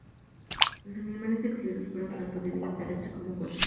Los animales exhibidos fueron tanto de vida terrestre como acuáticos.